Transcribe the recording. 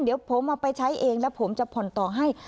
เดี๋ยวผมเอาไปใช้เองแล้วผมจะผ่อนต่อให้